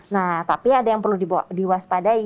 nah tapi ada yang perlu diwaspadai